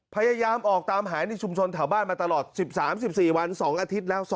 พยายามออกตามหาในชุมชนแถวบ้านมาตลอด๑๓๑๔วัน๒อาทิตย์แล้ว